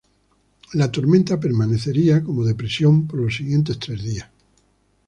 La tormenta permanecería como depresión por los siguientes tres días.